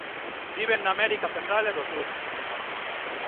Viven en América Central e do do Sur.